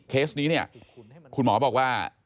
เคสนี้คุณหมอบอกว่า